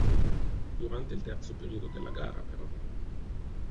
Durante il terzo periodo della gara però.